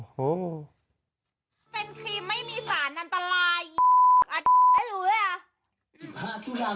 กินให้ดูเลยค่ะว่ามันปลอดภัย